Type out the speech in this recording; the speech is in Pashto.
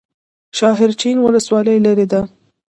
شاحرچین ولسوالۍ لیرې ده؟